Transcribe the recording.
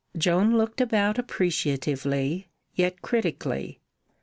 Joan looked about appreciatively, yet critically.